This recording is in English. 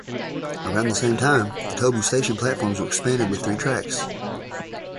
Around the same time, the Tobu station platforms were expanded with three tracks.